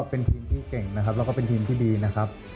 เป็นทีมที่เก่งนะครับแล้วก็เป็นทีมที่ดีนะครับ